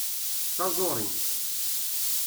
D taẓuri.